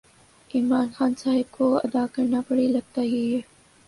عمران خان صاحب کو ادا کرنا پڑے لگتا یہی ہے